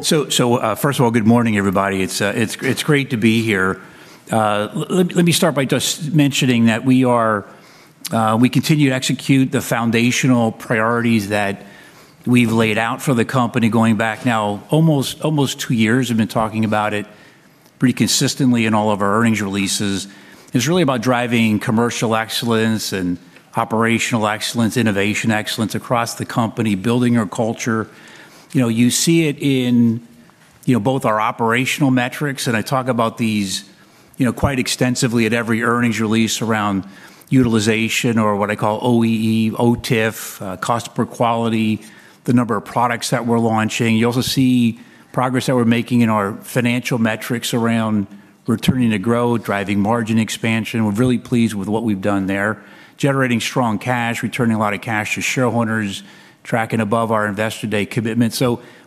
First of all, good morning, everybody. It's great to be here. Let me start by just mentioning that we continue to execute the foundational priorities that we've laid out for the company going back now almost two years. We've been talking about it pretty consistently in all of our earnings releases. It's really about driving commercial excellence and operational excellence, innovation excellence across the company, building our culture. You know, you see it in, you know, both our operational metrics, and I talk about these, you know, quite extensively at every earnings release around utilization or what I call OEE, OTIF, cost per quality, the number of products that we're launching. You also see progress that we're making in our financial metrics around returning to growth, driving margin expansion. We're really pleased with what we've done there. Generating strong cash, returning a lot of cash to shareholders, tracking above our Investor Day commitment.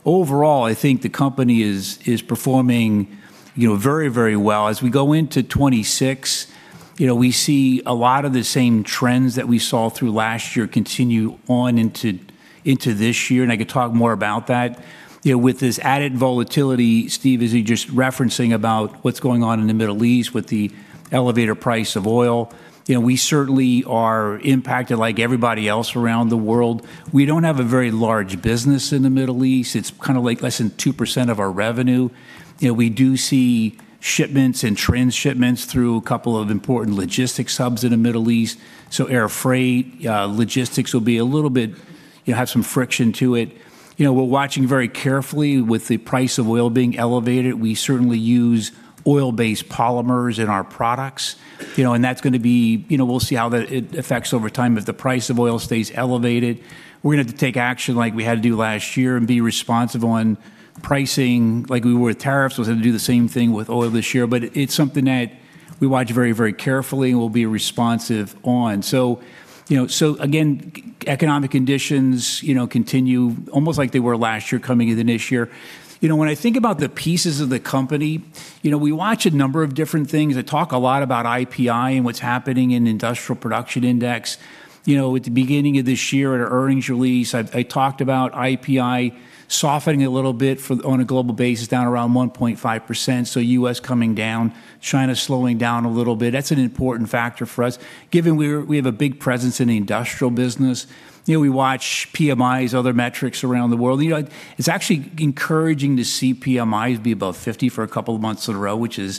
Overall, I think the company is performing, you know, very, very well. As we go into 2026, you know, we see a lot of the same trends that we saw through last year continue on into this year, and I could talk more about that. You know, with this added volatility, Steve, as you just referencing about what's going on in the Middle East with the elevated price of oil, you know, we certainly are impacted like everybody else around the world. We don't have a very large business in the Middle East. It's kind of like less than 2% of our revenue. You know, we do see shipments and transshipments through a couple of important logistics hubs in the Middle East. Air freight, logistics will be a little bit, you know, have some friction to it. You know, we're watching very carefully with the price of oil being elevated. We certainly use oil-based polymers in our products, you know, and that's gonna be, you know, we'll see how that it affects over time. If the price of oil stays elevated, we're gonna have to take action like we had to do last year and be responsive on pricing like we were with tariffs. We'll have to do the same thing with oil this year. But it's something that we watch very, very carefully and we'll be responsive on. You know, so again, economic conditions, you know, continue almost like they were last year coming into this year. You know, when I think about the pieces of the company, you know, we watch a number of different things. I talk a lot about IPI and what's happening in Industrial Production Index. You know, at the beginning of this year at our earnings release, I talked about IPI softening a little bit on a global basis, down around 1.5%. U.S. coming down, China slowing down a little bit. That's an important factor for us given we have a big presence in the industrial business. You know, we watch PMIs, other metrics around the world. You know, it's actually encouraging to see PMIs be above 50 for a couple of months in a row, which I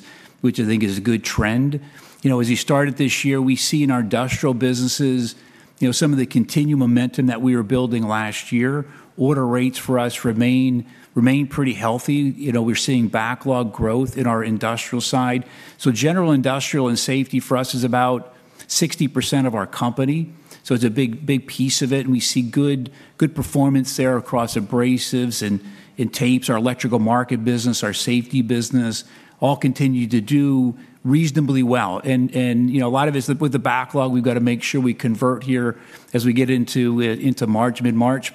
think is a good trend. You know, as we started this year, we see in our industrial businesses, you know, some of the continued momentum that we were building last year. Order rates for us remain pretty healthy. You know, we're seeing backlog growth in our industrial side. General industrial and safety for us is about 60% of our company, so it's a big piece of it, and we see good performance there across abrasives and in tapes. Our electrical market business, our safety business all continue to do reasonably well. You know, a lot of it is with the backlog, we've got to make sure we convert here as we get into March, mid-March.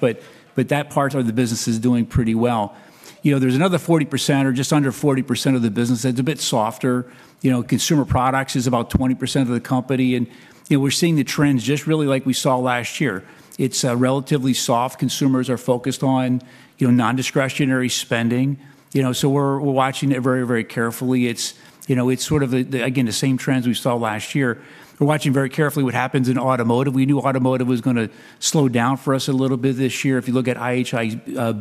That part of the business is doing pretty well. You know, there's another 40% or just under 40% of the business that's a bit softer. You know, consumer products is about 20% of the company, and, you know, we're seeing the trends just really like we saw last year. It's relatively soft. Consumers are focused on, you know, non-discretionary spending. You know, we're watching it very, very carefully. It's, you know, it's sort of the same trends we saw last year. We're watching very carefully what happens in automotive. We knew automotive was gonna slow down for us a little bit this year. If you look at IHS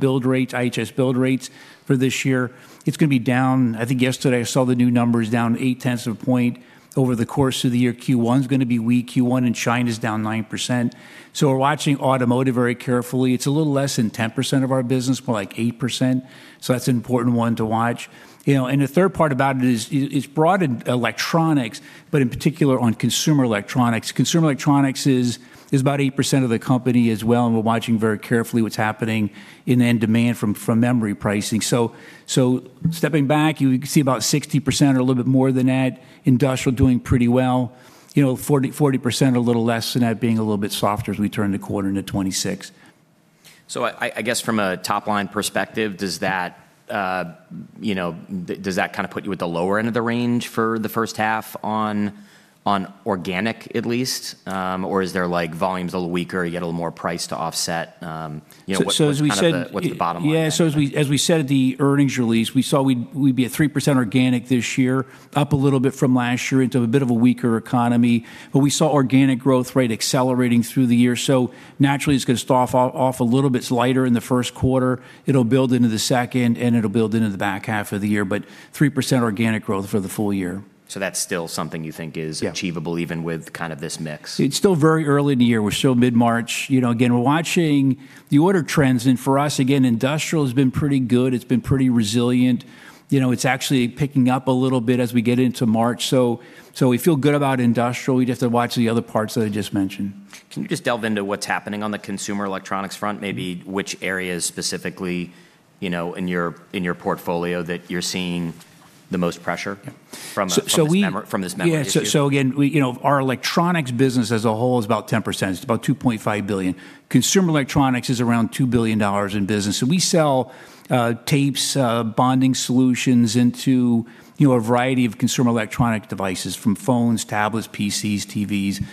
build rates for this year, it's gonna be down. I think yesterday I saw the new numbers down 0.8 of a point over the course of the year. Q1 is gonna be weak. Q1 in China is down 9%. We're watching automotive very carefully. It's a little less than 10% of our business, more like 8%, so that's an important one to watch. You know, the third part about it is broad in electronics, but in particular on consumer electronics. Consumer electronics is about 8% of the company as well, and we're watching very carefully what's happening in end demand from memory pricing. Stepping back, you see about 60% or a little bit more than that, industrial doing pretty well. You know, 40% or a little less than that being a little bit softer as we turn the corner into 2026. I guess from a top-line perspective, does that, you know, does that kind of put you at the lower end of the range for the first half on organic at least? Or is there like volumes a little weaker, you get a little more price to offset, you know, what's the bottom line there? Yeah, as we said at the earnings release, we saw we'd be at 3% organic this year, up a little bit from last year into a bit of a weaker economy. We saw organic growth rate accelerating through the year. Naturally, it's gonna start off a little bit lighter in the first quarter. It'll build into the second, and it'll build into the back half of the year. 3% organic growth for the full year. That's still something you think is. Yeah. Achievable even with kind of this mix? It's still very early in the year. We're still mid-March. You know, again, we're watching the order trends. For us, again, industrial has been pretty good. It's been pretty resilient. You know, it's actually picking up a little bit as we get into March. We feel good about industrial. We just have to watch the other parts that I just mentioned. Can you just delve into what's happening on the consumer electronics front? Maybe which areas specifically, you know, in your portfolio that you're seeing the most pressure from this memory issue? Again, our electronics business as a whole is about 10%. It's about $2.5 billion. Consumer electronics is around $2 billion in business. We sell tapes, bonding solutions into a variety of consumer electronic devices, from phones, tablets, PCs, TVs.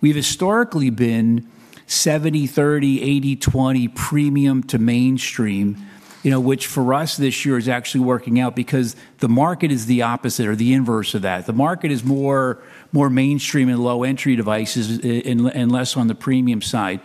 We've historically been 70/30, 80/20 premium to mainstream, which for us this year is actually working out because the market is the opposite or the inverse of that. The market is more mainstream and low entry devices, and less on the premium side.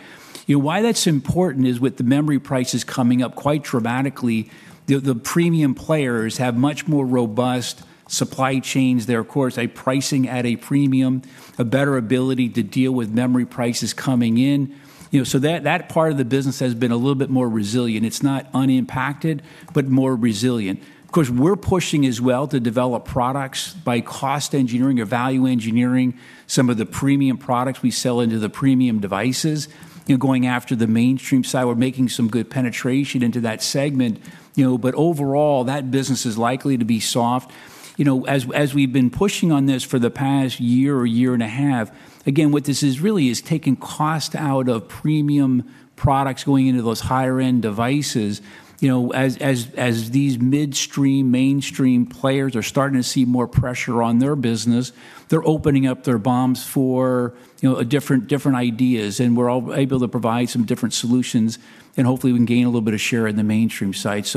Why that's important is with the memory prices coming up quite dramatically, the premium players have much more robust supply chains. They're, of course, pricing at a premium, a better ability to deal with memory prices coming in. You know, that part of the business has been a little bit more resilient. It's not unimpacted, but more resilient. Of course, we're pushing as well to develop products by cost engineering or value engineering some of the premium products we sell into the premium devices. You know, going after the mainstream side, we're making some good penetration into that segment, you know, but overall, that business is likely to be soft. You know, as we've been pushing on this for the past year or year and a half, again, what this really is taking cost out of premium products going into those higher-end devices. You know, as these midstream, mainstream players are starting to see more pressure on their business, they're opening up their BOMs for, you know, different ideas, and we're able to provide some different solutions, and hopefully we can gain a little bit of share in the mainstream side.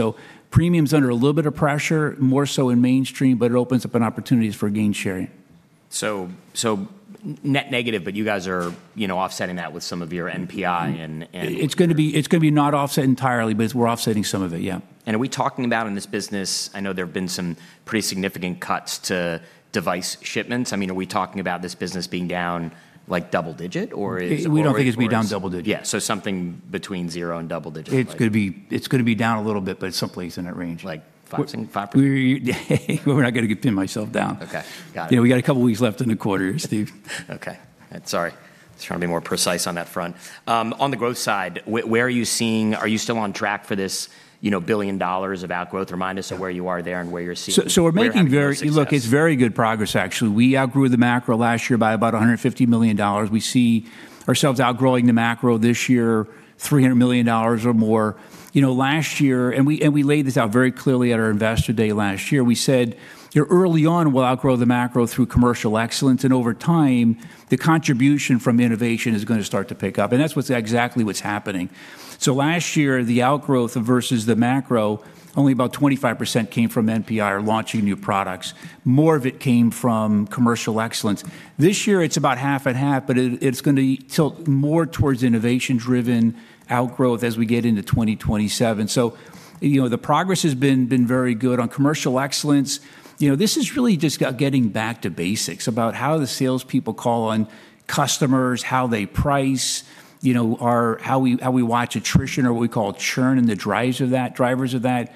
Premium's under a little bit of pressure, more so in mainstream, but it opens up an opportunity for gaining share. Net negative, but you guys are, you know, offsetting that with some of your NPI. It's gonna be not offset entirely, but we're offsetting some of it, yeah. Are we talking about in this business? I know there have been some pretty significant cuts to device shipments. I mean, are we talking about this business being down like double digit, or is- We don't think it'll be down double-digit. Yeah. Something between zero and double digit, right? It's gonna be down a little bit, but it's someplace in that range. Like 5%? 5%? We're not gonna pin myself down. Okay. Got it. You know, we got a couple of weeks left in the quarter, Steve. Sorry. Just trying to be more precise on that front. On the growth side, where are you seeing? Are you still on track for this, you know, $1 billion of outgrowth? Remind us of where you are there and where you're seeing- We're making very Where you're having your success. Look, it's very good progress, actually. We outgrew the macro last year by about $150 million. We see ourselves outgrowing the macro this year, $300 million or more. You know, last year, we laid this out very clearly at our Investor Day last year. We said, "You know, early on, we'll outgrow the macro through commercial excellence, and over time, the contribution from innovation is gonna start to pick up." That's what's exactly what's happening. Last year, the outgrowth versus the macro, only about 25% came from NPI or launching new products. More of it came from commercial excellence. This year, it's about half and half, but it's gonna tilt more towards innovation-driven outgrowth as we get into 2027. You know, the progress has been very good. On commercial excellence, you know, this is really just getting back to basics about how the salespeople call on customers, how they price, you know, or how we, how we watch attrition or what we call churn and the drivers of that,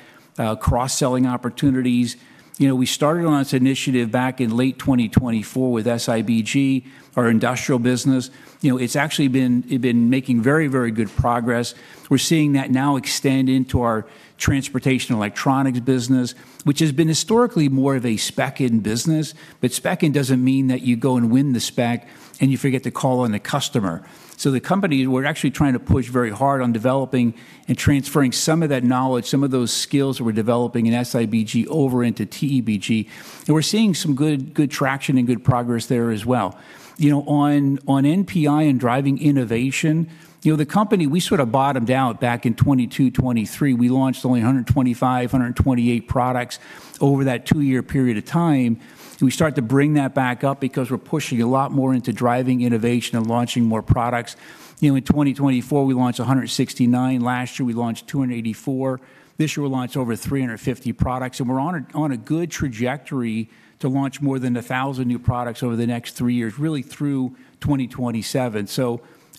cross-selling opportunities. You know, we started on this initiative back in late 2024 with SIBG, our industrial business. You know, it's actually been making very, very good progress. We're seeing that now extend into our transportation electronics business, which has been historically more of a spec-in business. Spec-in doesn't mean that you go and win the spec and you forget to call on the customer. The company, we're actually trying to push very hard on developing and transferring some of that knowledge, some of those skills that we're developing in SIBG over into TEBG. We're seeing some good traction and good progress there as well. You know, on NPI and driving innovation, you know, the company, we sort of bottomed out back in 2022, 2023. We launched only 128 products over that two-year period of time. We start to bring that back up because we're pushing a lot more into driving innovation and launching more products. You know, in 2024, we launched 169. Last year, we launched 284. This year, we launched over 350 products, and we're on a good trajectory to launch more than 1,000 new products over the next three years, really through 2027.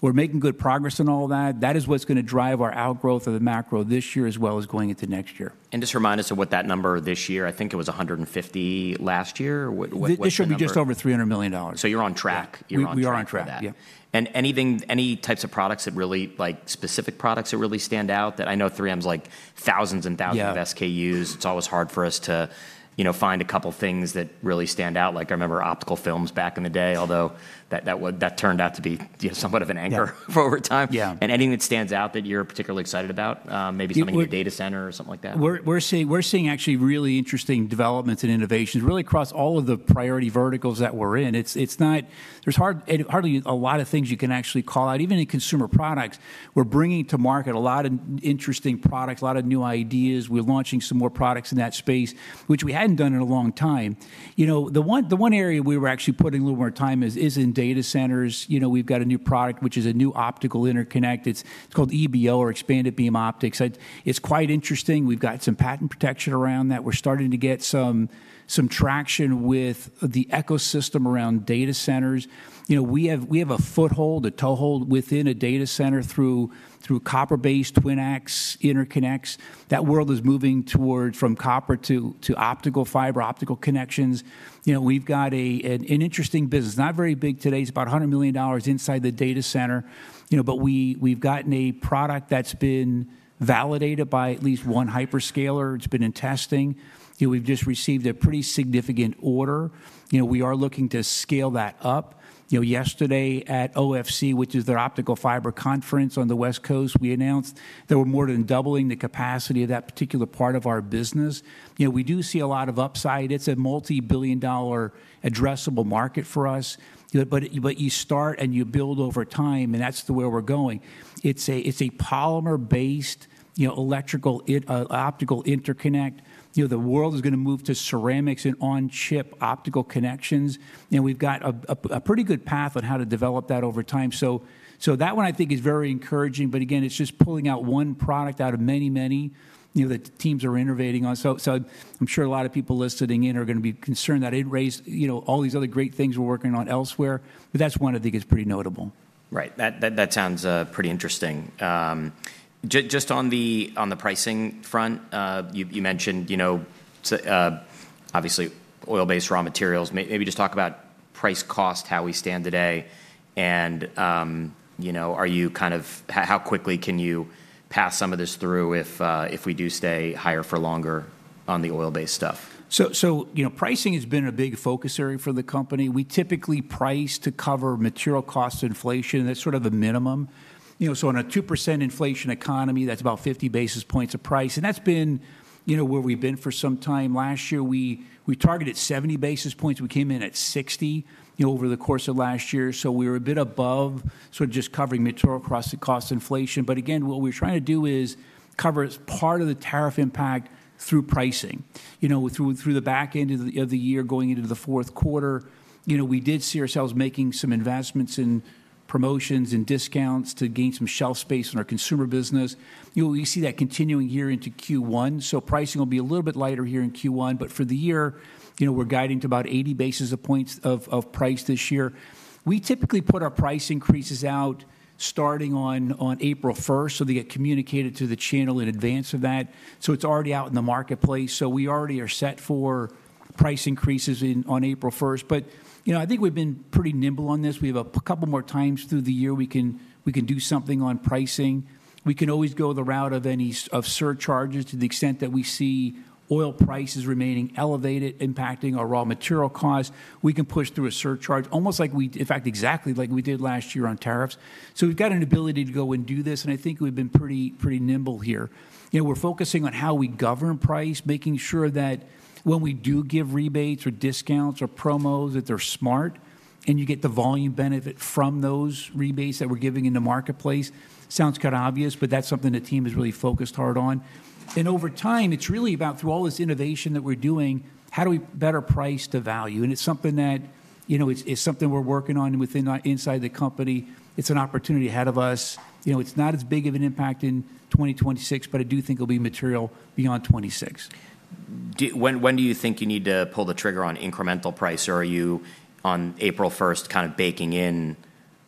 We're making good progress on all that. That is what's gonna drive our outgrowth of the macro this year as well as going into next year. Just remind us of what that number this year. I think it was 150 last year. What's the number? It should be just over $300 million. You're on track. Yeah. You're on track for that. We are on track, yeah. Any types of products, like specific products that really stand out? That I know 3M's like thousands and thousands of SKUs. Yeah. It's always hard for us to, you know, find a couple things that really stand out. Like I remember optical films back in the day, although that turned out to be, you know, somewhat of an anchor for over time. Yeah. Anything that stands out that you're particularly excited about? Maybe something in data center or something like that. We're seeing actually really interesting developments and innovations really across all of the priority verticals that we're in. It's not. There's hardly a lot of things you can actually call out. Even in consumer products, we're bringing to market a lot of interesting products, a lot of new ideas. We're launching some more products in that space, which we hadn't done in a long time. You know, the one area we were actually putting a little more time is in data centers. You know, we've got a new product, which is a new optical interconnect. It's called EBO or Expanded Beam Optics. It's quite interesting. We've got some patent protection around that. We're starting to get some traction with the ecosystem around data centers. You know, we have a foothold, a toehold within a data center through copper-based TwinAx interconnects. That world is moving toward from copper to optical fiber, optical connections. You know, we've got an interesting business. Not very big today. It's about $100 million inside the data center. You know, but we've gotten a product that's been validated by at least one hyperscaler. It's been in testing. You know, we've just received a pretty significant order. You know, we are looking to scale that up. You know, yesterday at OFC, which is their Optical Fiber Conference on the West Coast, we announced that we're more than doubling the capacity of that particular part of our business. You know, we do see a lot of upside. It's a multi-billion-dollar addressable market for us. You know, you start and you build over time, and that's the way we're going. It's a polymer-based optical interconnect. You know, the world is gonna move to ceramics and on-chip optical connections. You know, we've got a pretty good path on how to develop that over time. That one I think is very encouraging, but again, it's just pulling out one product out of many that teams are innovating on. I'm sure a lot of people listening in are gonna be concerned that it raised, you know, all these other great things we're working on elsewhere, but that's one I think is pretty notable. Right. That sounds pretty interesting. Just on the pricing front, you mentioned, you know, so obviously oil-based raw materials. Maybe just talk about price/cost, how we stand today, and you know, are you kind of how quickly can you pass some of this through if we do stay higher for longer on the oil-based stuff? You know, pricing has been a big focus area for the company. We typically price to cover material cost inflation. That's sort of the minimum. You know, so on a 2% inflation economy, that's about 50 basis points of price, and that's been, you know, where we've been for some time. Last year, we targeted 70 basis points. We came in at 60, you know, over the course of last year, so we were a bit above, sort of just covering material cost inflation. But again, what we're trying to do is cover as part of the tariff impact through pricing. You know, through the back end of the year going into the fourth quarter, you know, we did see ourselves making some investments in promotions and discounts to gain some shelf space in our consumer business. You see that continuing here into Q1, so pricing will be a little bit lighter here in Q1. For the year, you know, we're guiding to about 80 basis points of price this year. We typically put our price increases out starting on April first, so they get communicated to the channel in advance of that, so it's already out in the marketplace. We already are set for price increases on April 1. You know, I think we've been pretty nimble on this. We have a couple more times through the year we can do something on pricing. We can always go the route of surcharges to the extent that we see oil prices remaining elevated, impacting our raw material costs. We can push through a surcharge almost like, in fact, exactly like we did last year on tariffs. We've got an ability to go and do this, and I think we've been pretty nimble here. You know, we're focusing on how we govern price, making sure that when we do give rebates or discounts or promos, that they're smart and you get the volume benefit from those rebates that we're giving in the marketplace. Sounds kind of obvious, but that's something the team has really focused hard on. Over time, it's really about through all this innovation that we're doing, how do we better price the value? It's something that, you know, it's something we're working on within our inside the company. It's an opportunity ahead of us. You know, it's not as big of an impact in 2026, but I do think it'll be material beyond 2026. When do you think you need to pull the trigger on incremental price, or are you on April first kind of baking in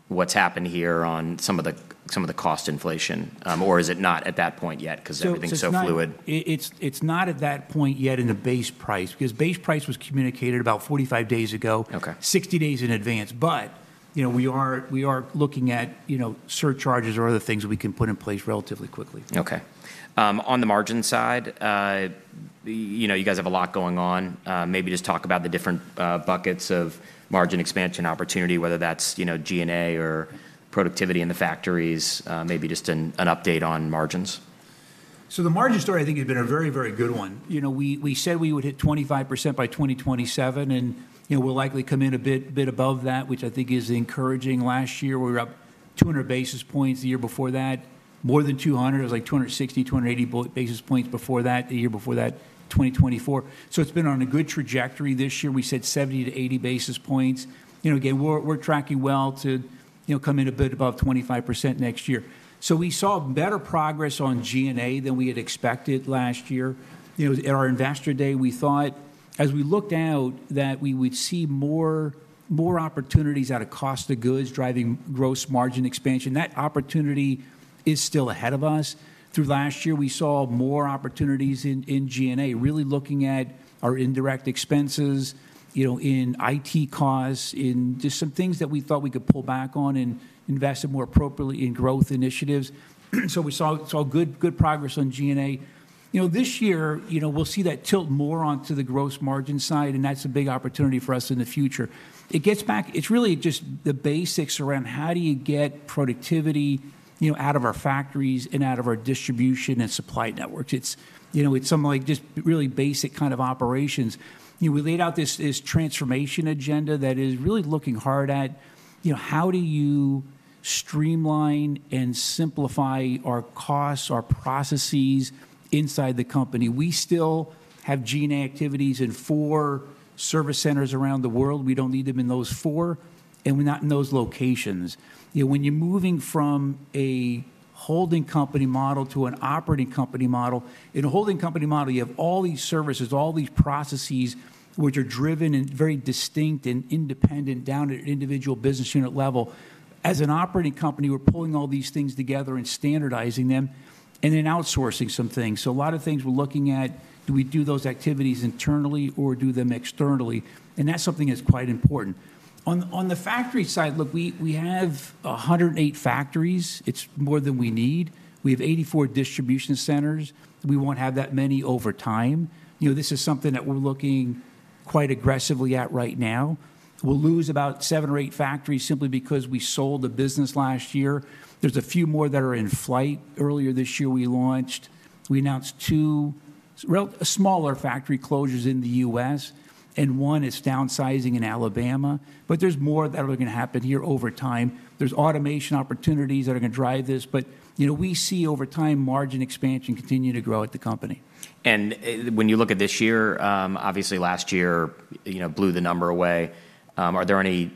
what's happened here on some of the cost inflation? Or is it not at that point yet 'cause everything's so fluid? It's not at that point yet in the base price, because base price was communicated about 45 days ago. Okay. 60 days in advance. You know, we are looking at, you know, surcharges or other things we can put in place relatively quickly. Okay. On the margin side, you know, you guys have a lot going on. Maybe just talk about the different buckets of margin expansion opportunity, whether that's, you know, G&A or productivity in the factories, maybe just an update on margins. The margin story I think has been a very, very good one. You know, we said we would hit 25% by 2027, and, you know, we'll likely come in a bit above that, which I think is encouraging. Last year, we were up 200 basis points. The year before that, more than 200. It was like 260, 280 basis points before that, the year before that, 2024. It's been on a good trajectory. This year we said 70-80 basis points. You know, again, we're tracking well to, you know, come in a bit above 25% next year. We saw better progress on G&A than we had expected last year. You know, at our Investor Day, we thought as we looked out, that we would see more opportunities out of cost of goods driving gross margin expansion. That opportunity is still ahead of us. Through last year, we saw more opportunities in G&A, really looking at our indirect expenses, you know, in IT costs, in just some things that we thought we could pull back on and invest it more appropriately in growth initiatives. We saw good progress on G&A. You know, this year, you know, we'll see that tilt more onto the gross margin side, and that's a big opportunity for us in the future. It's really just the basics around how do you get productivity, you know, out of our factories and out of our distribution and supply networks. It's, you know, it's something like just really basic kind of operations. You know, we laid out this transformation agenda that is really looking hard at, you know, how do you streamline and simplify our costs, our processes inside the company? We still have G&A activities in four service centers around the world. We don't need them in those four, and we're not in those locations. You know, when you're moving from a holding company model to an operating company model, in a holding company model, you have all these services, all these processes which are driven and very distinct and independent down at an individual business unit level. As an operating company, we're pulling all these things together and standardizing them and then outsourcing some things. A lot of things we're looking at, do we do those activities internally or do them externally? That's something that's quite important. On the factory side, look, we have 108 factories. It's more than we need. We have 84 distribution centers. We won't have that many over time. You know, this is something that we're looking quite aggressively at right now. We'll lose about 7 or 8 factories simply because we sold a business last year. There's a few more that are in flight. Earlier this year, we announced two smaller factory closures in the U.S., and one is downsizing in Alabama. There's more that are gonna happen here over time. There's automation opportunities that are gonna drive this. You know, we see over time margin expansion continue to grow at the company. When you look at this year, obviously last year, you know, blew the number away. Are there any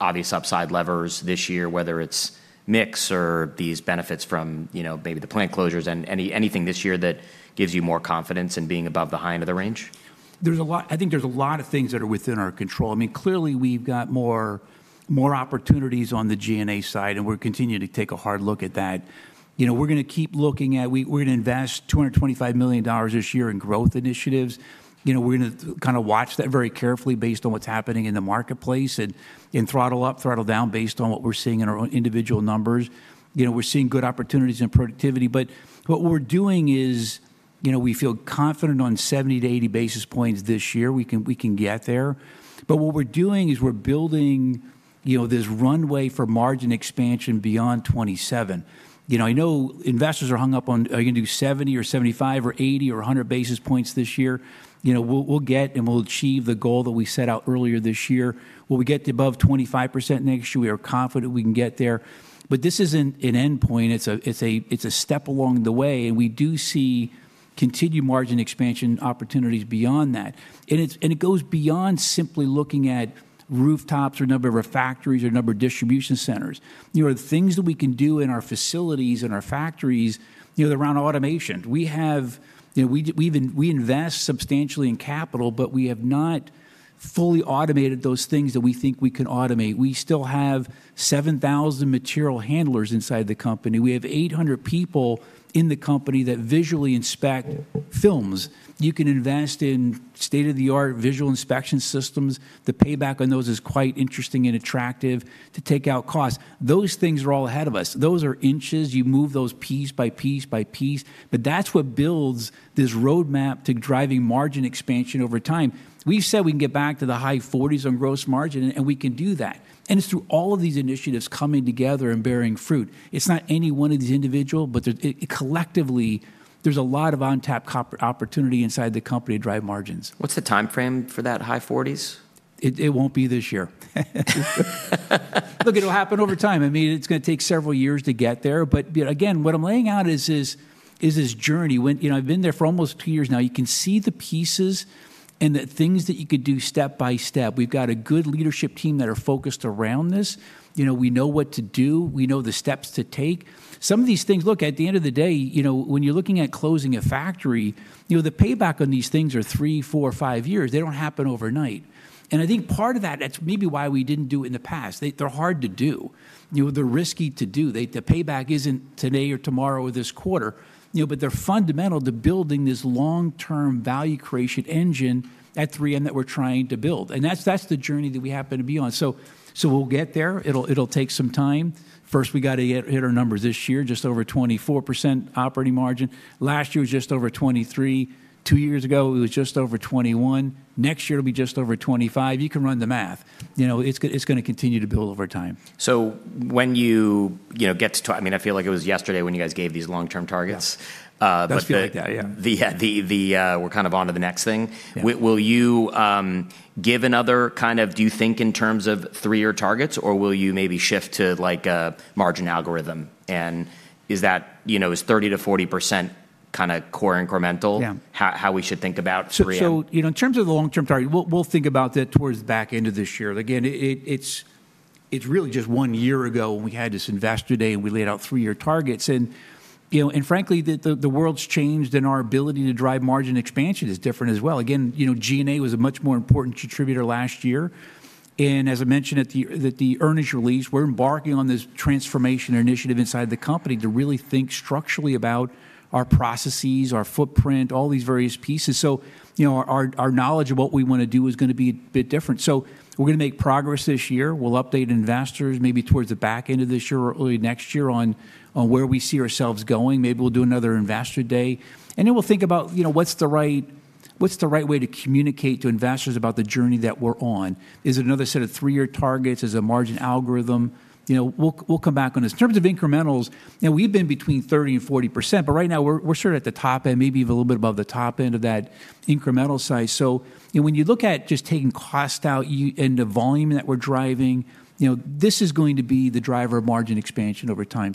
obvious upside levers this year, whether it's mix or these benefits from, you know, maybe the plant closures and anything this year that gives you more confidence in being above the high end of the range? There's a lot. I think there's a lot of things that are within our control. I mean, clearly we've got more opportunities on the G&A side, and we're continuing to take a hard look at that. You know, we're gonna invest $225 million this year in growth initiatives. You know, we're gonna kinda watch that very carefully based on what's happening in the marketplace and throttle up, throttle down based on what we're seeing in our own individual numbers. You know, we're seeing good opportunities in productivity. What we're doing is, you know, we feel confident on 70-80 basis points this year, we can get there. What we're doing is we're building, you know, this runway for margin expansion beyond 27%. You know, I know investors are hung up on are you gonna do 70 or 75 or 80 or 100 basis points this year. You know, we'll get and we'll achieve the goal that we set out earlier this year. Will we get to above 25% next year? We are confident we can get there. This isn't an endpoint, it's a step along the way, and we do see continued margin expansion opportunities beyond that. It goes beyond simply looking at rooftops or number of factories or number of distribution centers. You know, the things that we can do in our facilities, in our factories, you know, around automation. We invest substantially in capital, but we have not fully automated those things that we think we can automate. We still have 7,000 material handlers inside the company. We have 800 people in the company that visually inspect films. You can invest in state-of-the-art visual inspection systems. The payback on those is quite interesting and attractive to take out costs. Those things are all ahead of us. Those are inches. You move those piece by piece by piece. That's what builds this roadmap to driving margin expansion over time. We've said we can get back to the high 40s% on gross margin, and we can do that. It's through all of these initiatives coming together and bearing fruit. It's not any one of these individual, but it collectively, there's a lot of untapped opportunity inside the company to drive margins. What's the time frame for that high 40s? It won't be this year. Look, it'll happen over time. I mean, it's gonna take several years to get there. You know, again, what I'm laying out is this journey. You know, I've been there for almost two years now. You can see the pieces and the things that you could do step by step. We've got a good leadership team that are focused around this. You know, we know what to do. We know the steps to take. Some of these things. Look, at the end of the day, you know, when you're looking at closing a factory, you know, the payback on these things are three, four, five years. They don't happen overnight. I think part of that's maybe why we didn't do it in the past. They're hard to do. You know, they're risky to do. The payback isn't today or tomorrow or this quarter, you know, but they're fundamental to building this long-term value creation engine at 3M that we're trying to build. That's the journey that we happen to be on. We'll get there. It'll take some time. First, we gotta hit our numbers this year, just over 24% operating margin. Last year was just over 23. Two years ago, it was just over 21. Next year, it'll be just over 25. You can run the math. You know, it's gonna continue to build over time. When you know, I mean, I feel like it was yesterday when you guys gave these long-term targets. Yeah. Uh, but the- Does feel like that, yeah. We're kind of onto the next thing. Yeah. Will you give another kind of do you think in terms of three-year targets, or will you maybe shift to, like, a margin algorithm? Is that, you know, is 30%-40% kinda core incremental. Yeah How we should think about 3M? You know, in terms of the long-term target, we'll think about that towards the back end of this year. Again, it's really just one year ago when we had this Investor Day and we laid out three-year targets. You know, frankly, the world's changed and our ability to drive margin expansion is different as well. Again, you know, G&A was a much more important contributor last year. As I mentioned at the earnings release, we're embarking on this transformation initiative inside the company to really think structurally about our processes, our footprint, all these various pieces. You know, our knowledge of what we wanna do is gonna be a bit different. We're gonna make progress this year. We'll update investors maybe towards the back end of this year or early next year on where we see ourselves going. Maybe we'll do another Investor Day. We'll think about, you know, what's the right way to communicate to investors about the journey that we're on. Is it another set of three-year targets? Is it a margin algorithm? You know, we'll come back on this. In terms of incrementals, you know, we've been between 30% and 40%, but right now we're sort of at the top end, maybe even a little bit above the top end of that incremental size. You know, when you look at just taking cost out and the volume that we're driving, you know, this is going to be the driver of margin expansion over time.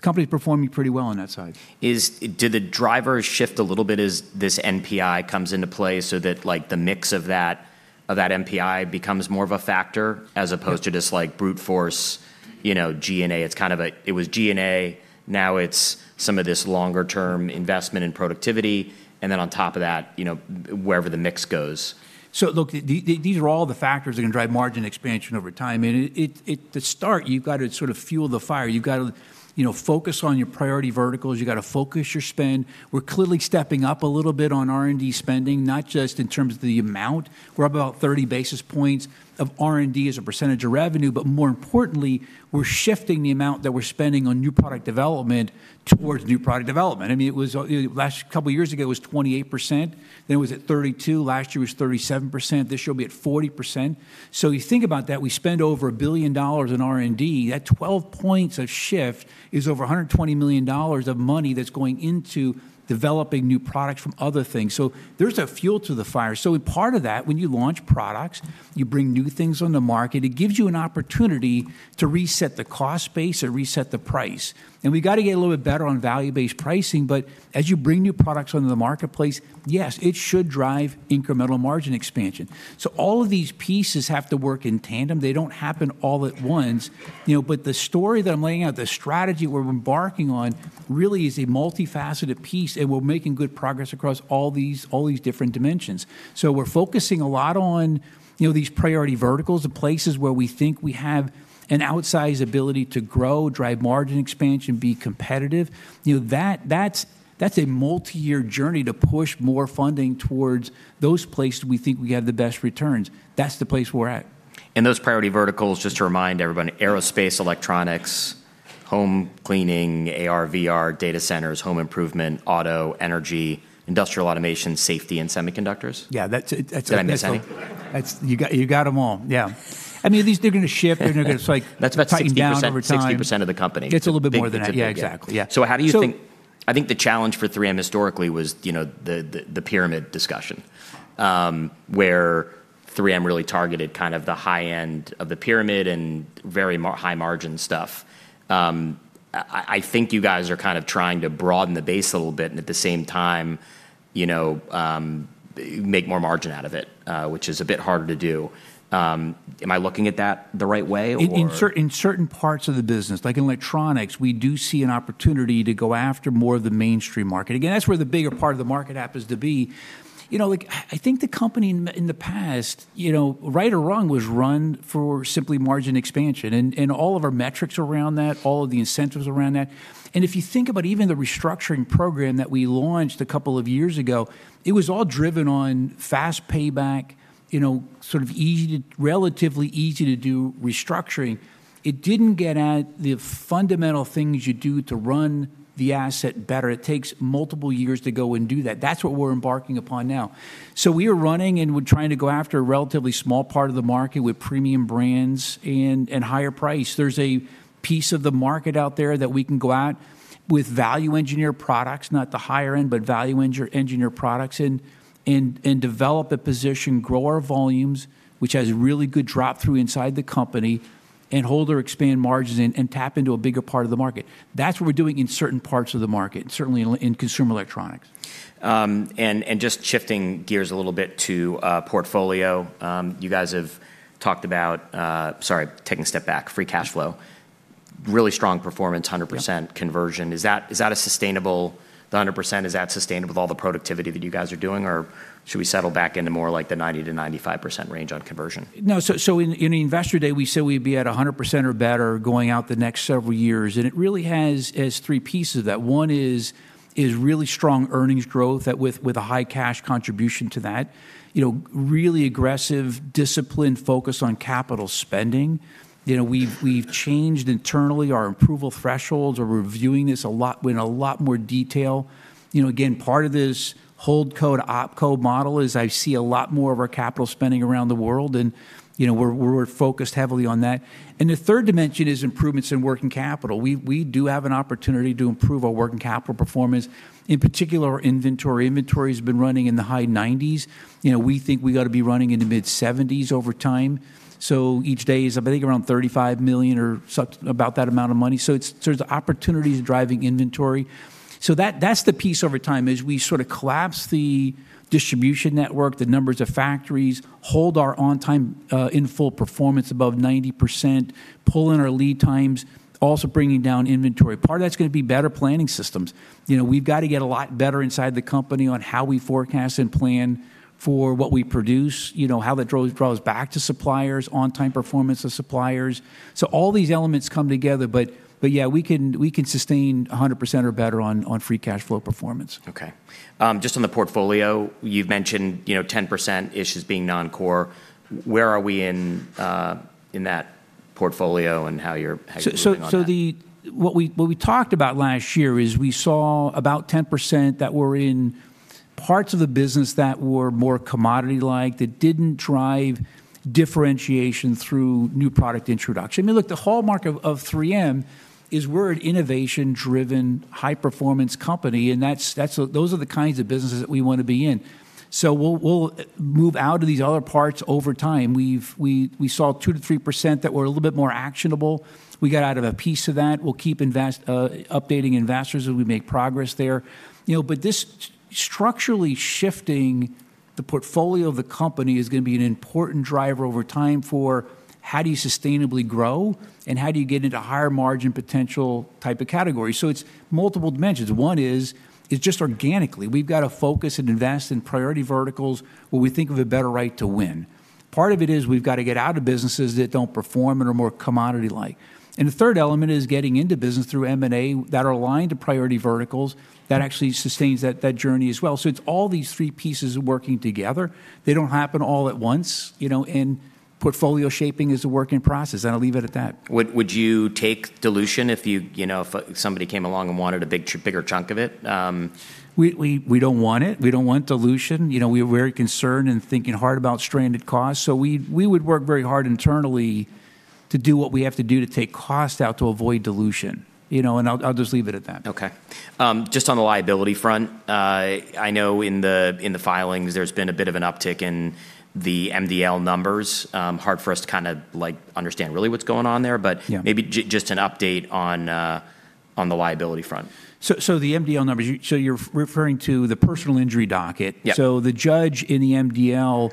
Company's performing pretty well on that side. Do the drivers shift a little bit as this NPI comes into play so that, like, the mix of that NPI becomes more of a factor as opposed to just, like, brute force, you know, G&A? It's kind of a, it was G&A, now it's some of this longer term investment in productivity, and then on top of that, you know, wherever the mix goes. Look, these are all the factors that are gonna drive margin expansion over time. To start, you've got to sort of fuel the fire. You've got to, you know, focus on your priority verticals. You've got to focus your spend. We're clearly stepping up a little bit on R&D spending, not just in terms of the amount. We're up about 30 basis points of R&D as a percentage of revenue, but more importantly, we're shifting the amount that we're spending on new product development towards new product development. I mean, it was, you know, last couple years ago, it was 28%, then it was at 32%, last year it was 37%. This year it'll be at 40%. You think about that, we spend over $1 billion in R&D. That 12 points of shift is over $120 million of money that's going into developing new products from other things. There's a fuel to the fire. Part of that, when you launch products, you bring new things on the market, it gives you an opportunity to reset the cost base or reset the price. We've got to get a little bit better on value-based pricing, but as you bring new products onto the marketplace, yes, it should drive incremental margin expansion. All of these pieces have to work in tandem. They don't happen all at once. You know, but the story that I'm laying out, the strategy we're embarking on really is a multifaceted piece, and we're making good progress across all these, all these different dimensions. We're focusing a lot on, you know, these priority verticals, the places where we think we have an outsized ability to grow, drive margin expansion, be competitive. You know, that's a multi-year journey to push more funding towards those places we think we have the best returns. That's the place we're at. Those priority verticals, just to remind everybody, aerospace, electronics, home cleaning, AR, VR, data centers, home improvement, auto, energy, industrial automation, safety, and semiconductors. Yeah, that's it. That's it. Did I miss any? You got them all. Yeah. I mean, these, they're gonna shift, they're gonna just like That's about 60%. Tighten down over time. 60% of the company. Gets a little bit more than that. Yeah, exactly. Yeah. I think the challenge for 3M historically was, you know, the pyramid discussion, where 3M really targeted kind of the high end of the pyramid and high margin stuff. I think you guys are kind of trying to broaden the base a little bit and at the same time, you know, make more margin out of it, which is a bit harder to do. Am I looking at that the right way or? In certain parts of the business, like in electronics, we do see an opportunity to go after more of the mainstream market. Again, that's where the bigger part of the market happens to be. You know, like I think the company in the past, you know, right or wrong, was run for simply margin expansion. All of our metrics around that, all of the incentives around that. If you think about even the restructuring program that we launched a couple of years ago, it was all driven on fast payback, you know, sort of relatively easy to do restructuring. It didn't get at the fundamental things you do to run the asset better. It takes multiple years to go and do that. That's what we're embarking upon now. We are running and we're trying to go after a relatively small part of the market with premium brands and higher price. There's a piece of the market out there that we can go at with value engineer products, not the higher end, but value engineer products and develop a position, grow our volumes, which has really good drop through inside the company, and hold or expand margins and tap into a bigger part of the market. That's what we're doing in certain parts of the market, certainly in consumer electronics. Just shifting gears a little bit to portfolio, you guys have talked about, sorry, taking a step back, free cash flow. Really strong performance, 100% conversion. Is that sustainable, the 100%, is that sustainable with all the productivity that you guys are doing? Or should we settle back into more like the 90%-95% range on conversion? No. In the Investor Day, we said we'd be at 100% or better going out the next several years, and it really has three pieces of that. One is really strong earnings growth that with a high cash contribution to that. You know, really aggressive discipline focus on capital spending. You know, we've changed internally our approval thresholds. We're reviewing this a lot in a lot more detail. You know, again, part of this HoldCo/OpCo model is I see a lot more of our capital spending around the world and, you know, we're focused heavily on that. The third dimension is improvements in working capital. We do have an opportunity to improve our working capital performance. In particular, our inventory. Inventory's been running in the high 90s. You know, we think we gotta be running in the mid-70s over time. Each day is, I think, around $35 million or about that amount of money. It's so there's opportunities driving inventory. That, that's the piece over time, is we sorta collapse the distribution network, the numbers of factories, hold our on time in full performance above 90%, pull in our lead times, also bringing down inventory. Part of that's gonna be better planning systems. You know, we've gotta get a lot better inside the company on how we forecast and plan for what we produce, you know, how that draws back to suppliers, on time performance of suppliers. All these elements come together, but yeah, we can sustain 100% or better on free cash flow performance. Okay. Just on the portfolio, you've mentioned, you know, 10% issues being non-core. Where are we in that portfolio and how you're moving on that? What we talked about last year is we saw about 10% that were in parts of the business that were more commodity-like, that didn't drive differentiation through new product introduction. I mean, look, the hallmark of 3M is we're an innovation-driven, high-performance company, and that's those are the kinds of businesses that we wanna be in. We'll move out of these other parts over time. We saw 2%-3% that were a little bit more actionable. We got out of a piece of that. We'll keep updating investors as we make progress there. You know, but this structurally shifting the portfolio of the company is gonna be an important driver over time for how do you sustainably grow and how do you get into higher margin potential type of categories. It's multiple dimensions. One is just organically, we've gotta focus and invest in priority verticals where we think of a better right to win. Part of it is we've gotta get out of businesses that don't perform and are more commodity-like. The third element is getting into business through M&A that are aligned to priority verticals that actually sustains that journey as well. It's all these three pieces working together. They don't happen all at once, you know, and portfolio shaping is a working process, and I'll leave it at that. Would you take dilution if you know if somebody came along and wanted a bigger chunk of it? We don't want it. We don't want dilution. You know, we're very concerned and thinking hard about stranded costs, so we would work very hard internally to do what we have to do to take cost out to avoid dilution, you know, and I'll just leave it at that. Okay. Just on the liability front, I know in the filings, there's been a bit of an uptick in the MDL numbers. Hard for us to kinda, like, understand really what's going on there. Yeah. Maybe just an update on the liability front. The MDL numbers, you're referring to the personal injury docket. Yeah. The judge in the MDL,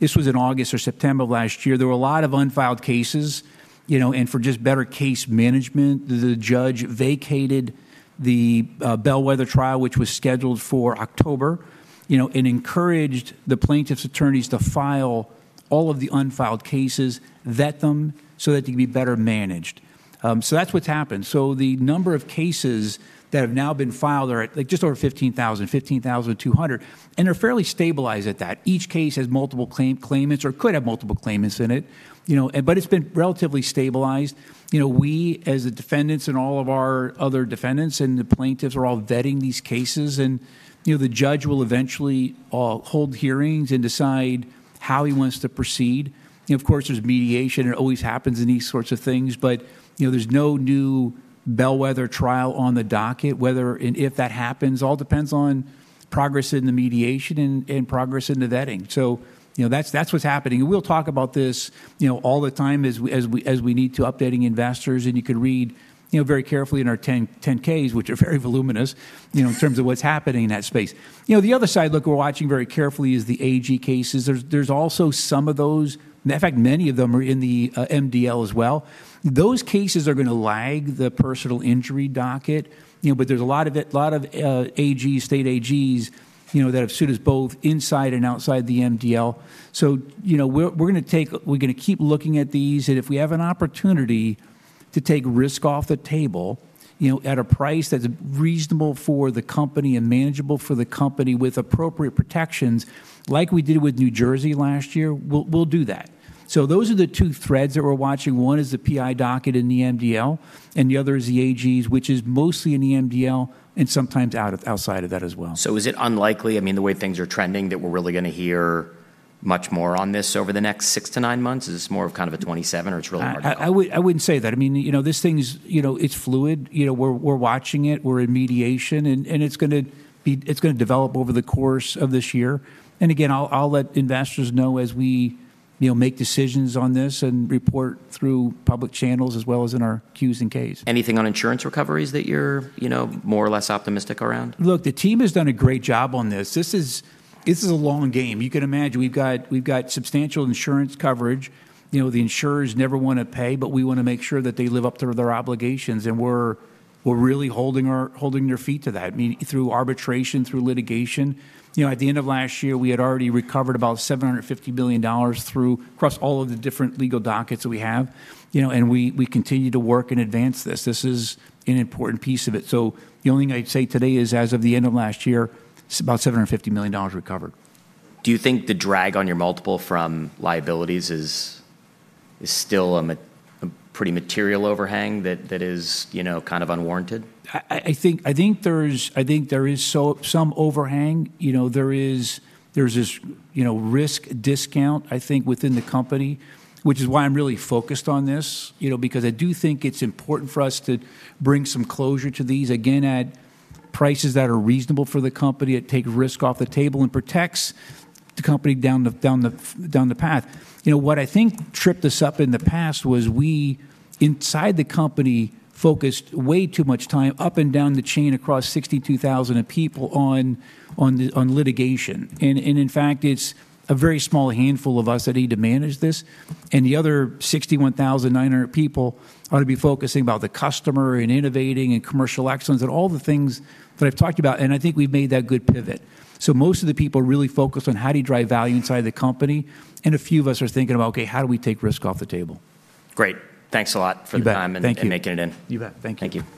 this was in August or September of last year, there were a lot of unfiled cases, you know, and for just better case management, the judge vacated the bellwether trial which was scheduled for October. You know, encouraged the plaintiff's attorneys to file all of the unfiled cases, vet them so that they can be better managed. That's what's happened. The number of cases that have now been filed are at, like, just over 15,000, 15,200, and they're fairly stabilized at that. Each case has multiple claimants or could have multiple claimants in it, you know, but it's been relatively stabilized. You know, we, as the defendants and all of our other defendants, and the plaintiffs are all vetting these cases, and, you know, the judge will eventually hold hearings and decide how he wants to proceed. You know, of course, there's mediation. It always happens in these sorts of things. You know, there's no new bellwether trial on the docket, whether and if that happens. It all depends on progress in the mediation and progress in the vetting. You know, that's what's happening. We'll talk about this, you know, all the time as we need to updating investors, and you can read, you know, very carefully in our 10-Ks, which are very voluminous, you know, in terms of what's happening in that space. You know, the other side, look, we're watching very carefully is the AG cases. There's also some of those. Matter of fact, many of them are in the MDL as well. Those cases are gonna lag the personal injury docket, you know, but there's a lot of it, a lot of AG, state AGs, you know, that have sued us both inside and outside the MDL. We're gonna keep looking at these. If we have an opportunity to take risk off the table, you know, at a price that's reasonable for the company and manageable for the company with appropriate protections like we did with New Jersey last year, we'll do that. Those are the two threads that we're watching. One is the PI docket in the MDL, and the other is the AGs, which is mostly in the MDL and sometimes outside of that as well. Is it unlikely, I mean, the way things are trending, that we're really gonna hear much more on this over the next 6-9 months? Is this more of kind of a 27 or it's really hard to call? I wouldn't say that. I mean, you know, this thing's, you know, it's fluid. You know, we're watching it, we're in mediation, and it's gonna develop over the course of this year. Again, I'll let investors know as we, you know, make decisions on this and report through public channels as well as in our 10-Qs and 10-Ks. Anything on insurance recoveries that you're, you know, more or less optimistic around? Look, the team has done a great job on this. This is a long game. You can imagine. We've got substantial insurance coverage. You know, the insurers never wanna pay, but we wanna make sure that they live up to their obligations, and we're really holding their feet to that, I mean, through arbitration, through litigation. You know, at the end of last year, we had already recovered about $750 million across all of the different legal dockets that we have. You know, and we continue to work and advance this. This is an important piece of it. The only thing I'd say today is, as of the end of last year, it's about $750 million recovered. Do you think the drag on your multiple from liabilities is still a pretty material overhang that is, you know, kind of unwarranted? I think there is some overhang. You know, there's this, you know, risk discount, I think, within the company, which is why I'm really focused on this, you know, because I do think it's important for us to bring some closure to these, again, at prices that are reasonable for the company, that take risk off the table and protects the company down the path. You know, what I think tripped us up in the past was we, inside the company, focused way too much time up and down the chain across 62,000 people on litigation. In fact, it's a very small handful of us that need to manage this. The other 61,900 people ought to be focusing about the customer and innovating and commercial excellence and all the things that I've talked about, and I think we've made that good pivot. Most of the people are really focused on how do you drive value inside the company, and a few of us are thinking about, okay, how do we take risk off the table? Great. Thanks a lot for the time. You bet. Thank you. Making it in. You bet. Thank you. Thank you.